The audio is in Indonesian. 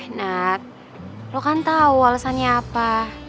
eh nak lo kan tau alesannya apa